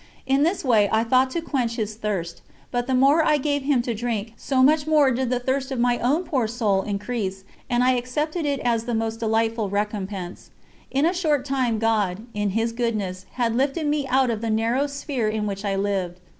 In this way I thought to quench His Thirst; but the more I gave Him to drink, so much the more did the thirst of my own poor soul increase, and I accepted it as the most delightful recompense. In a short time God, in His goodness, had lifted me out of the narrow sphere in which I lived.